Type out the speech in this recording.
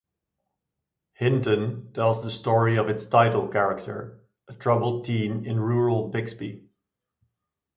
Hinton tells the story of its title character, a troubled teen in rural Bixby.